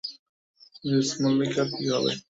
Mrs মাললিকার কী হবে?